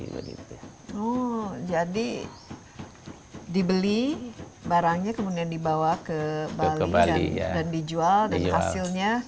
jadi dibeli barangnya kemudian dibawa ke bali dan dijual dan hasilnya